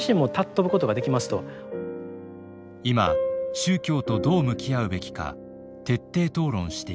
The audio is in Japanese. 今宗教とどう向き合うべきか徹底討論していきます